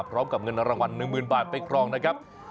พร้อมกับเงินรางวัล๑๐๐๐บาทไปครองนะครับ